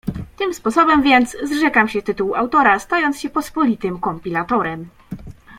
"Tym sposobem więc zrzekam się tytułu autora, stając się jedynie pospolitym kompilatorem."